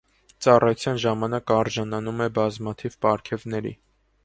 Ծառայության ժամանակ արժանանում է բազմաթիվ պարգևների։